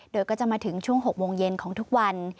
โดยก็จะมาถึงช่วง๖โมงเย็นของทุกวัน